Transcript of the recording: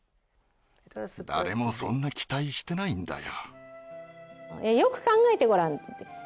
誰もそんな期待してないんだよ